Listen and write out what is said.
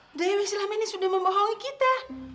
jadi dewi selama ini sudah membohongi kita